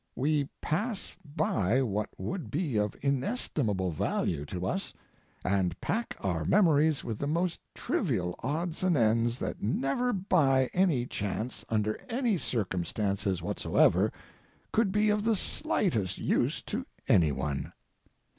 We pass by what would be of inestimable value to us, and pack our memories with the most trivial odds and ends that never by any chance, under any circumstances whatsoever, could be of the slightest use to any one.